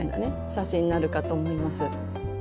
写真になるかと思います。